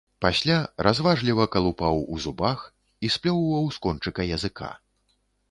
Пасля разважліва калупаў у зубах і сплёўваў з кончыка языка.